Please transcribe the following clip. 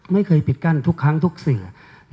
ไม่เคยปิดกั้นทุกครั้งทุกสื่อ